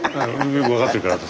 よく分かってるから私。